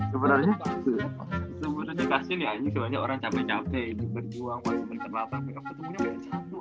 sebenernya sebenernya orang capek capek